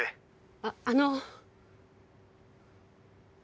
あっあの。